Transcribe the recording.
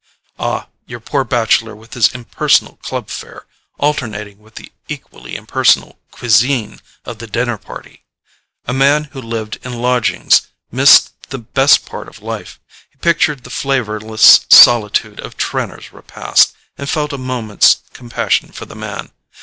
Ah, your poor bachelor with his impersonal club fare, alternating with the equally impersonal CUISINE of the dinner party! A man who lived in lodgings missed the best part of life—he pictured the flavourless solitude of Trenor's repast, and felt a moment's compassion for the man....